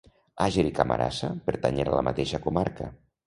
Àger i Camarasa pertanyen a la mateixa comarca.